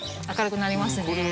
明るくなりますね。